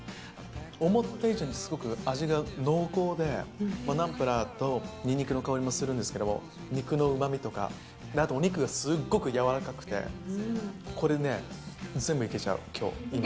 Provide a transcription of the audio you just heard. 思った以上にすごく味が濃厚で、ナンプラーとにんにくの香りがするんですけども、肉のうまみとか、あとお肉がすっごく柔らかくて、これね、全部いけちゃう、きょう、今。